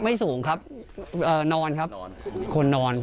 ไม่สูงครับนอนครับเข้านอน